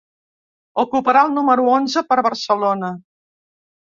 Ocuparà el número onze per Barcelona.